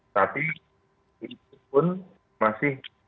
tapi itu pun masih